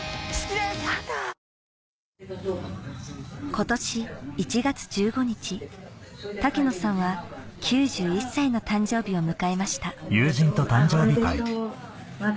今年１月１５日滝野さんは９１歳の誕生日を迎えましたおめでとうございます。